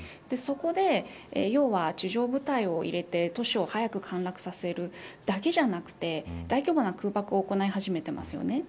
そこで要は、地上部隊を入れて都市を早く陥落させるだけじゃなくて大規模な空爆を行い始めてますよね。